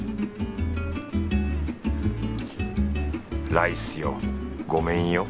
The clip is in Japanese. ライスよごめんよ。